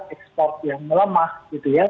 ekspor yang melemah gitu ya